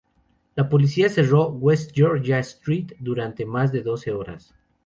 La policía cerró West Georgia Street durante más de doce horas.